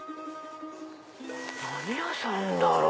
何屋さんだろう？